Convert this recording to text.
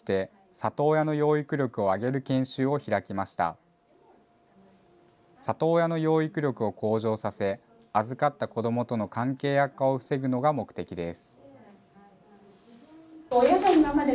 里親の養育力を向上させ、預かった子どもとの関係悪化を防ぐのが目的です。